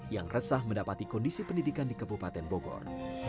yang resah mendapati kondisi pendidikan di kabupaten bogor